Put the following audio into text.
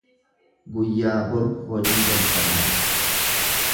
Guyyaa boru hojii jalqabna.